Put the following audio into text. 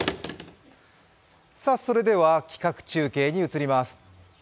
それでは、企画中継に移ります。